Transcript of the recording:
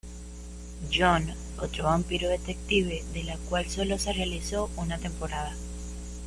John, otro vampiro detective, de la cual solo se realizó una temporada.